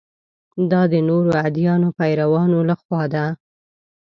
دا د نورو ادیانو پیروانو له خوا ده.